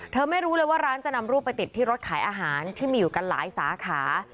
ไม่รู้เลยว่าร้านจะนำรูปไปติดที่รถขายอาหารที่มีอยู่กันหลายสาขา